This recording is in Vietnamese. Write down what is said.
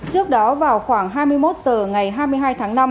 trước đó vào khoảng hai mươi một h ngày hai mươi hai tháng năm